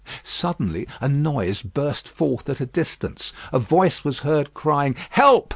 Suddenly a noise burst forth at a distance. A voice was heard crying "Help!"